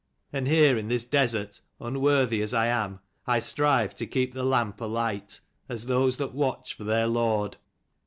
And here in this desert, unworthy as I am, I strive to keep the lamp alight, as those that watch for their Lord."